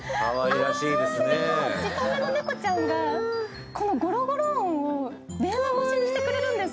ジト目の猫ちゃんが、このゴロゴロ音を電話越しにしてくれるんです。